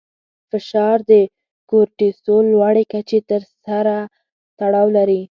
فشار د کورټیسول لوړې کچې سره تړاو لري.